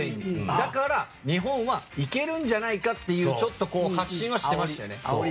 だから、日本は行けるんじゃないかっていう発信はしてましたよね。